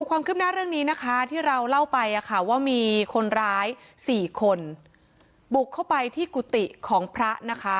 ความคืบหน้าเรื่องนี้นะคะที่เราเล่าไปว่ามีคนร้าย๔คนบุกเข้าไปที่กุฏิของพระนะคะ